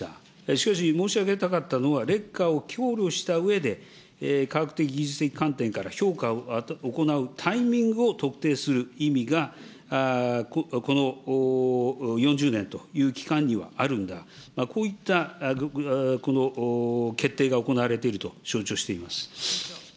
しかし、申し上げたかったのは、劣化をしたうえで、科学的、技術的観点から評価を行うタイミングを特定する意味が、この４０年という期間にはあるんだ、こういった決定が行われていると承知をしております。